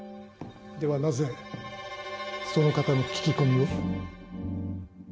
ではなぜその方の聞き込みを？